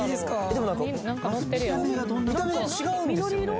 でも何か見た目が違うんですよね・緑色？